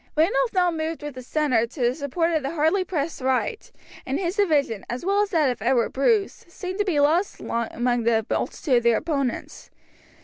Randolph now moved with the centre to the support of the hardly pressed right, and his division, as well as that of Edward Bruce, seemed to be lost among the multitude of their opponents.